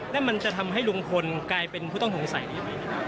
แล้วมันจะทำให้ลุงพลกลายเป็นผู้ต้องสงสัยได้ไหม